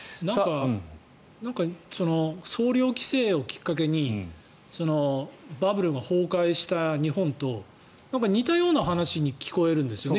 総量規制をきっかけにバブルが崩壊した日本と似たような話に聞こえるんですね